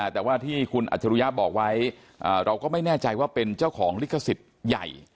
แต่ว่าที่คุณอัจฉริยะบอกไว้เราก็ไม่แน่ใจว่าเป็นเจ้าของลิขสิทธิ์ใหญ่